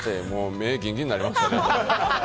目、ギンギンになりましたね。